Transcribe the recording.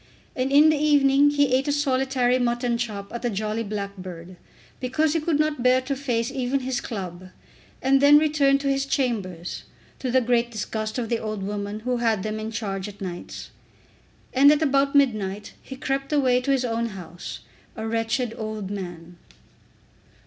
And in the evening he ate a solitary mutton chop at The Jolly Blackbird, because he could not bear to face even his club, and then returned to his chambers, to the great disgust of the old woman who had them in charge at nights. And at about midnight he crept away to his own house, a wretched old man.